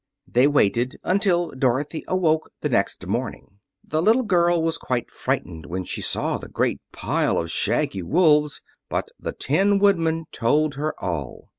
They waited until Dorothy awoke the next morning. The little girl was quite frightened when she saw the great pile of shaggy wolves, but the Tin Woodman told her all.